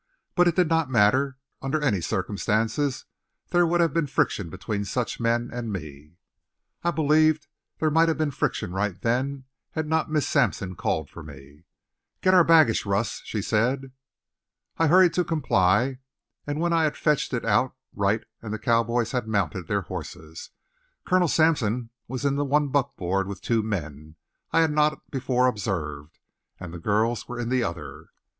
But it did not matter; under any circumstances there would have been friction between such men and me. I believed there might have been friction right then had not Miss Sampson called for me. "Get our baggage, Russ," she said. I hurried to comply, and when I had fetched it out Wright and the cowboys had mounted their horses, Colonel Sampson was in the one buckboard with two men I had not before observed, and the girls were in the other.